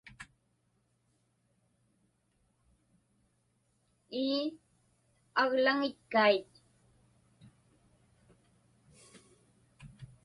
Ii, aglaŋitkait.